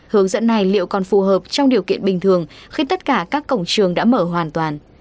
hướng dẫn này liệu còn phù hợp trong điều kiện bình thường khi tất cả các cổng trường đã mở hoàn toàn